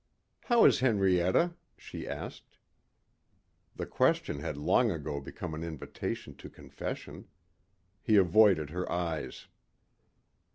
"How is Henrietta?" she asked. The question had long ago became an invitation to confession. He avoided her eyes.